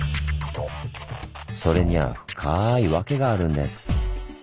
それには深い訳があるんです。